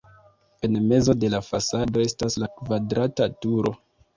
En mezo de la fasado estas la kvadrata turo.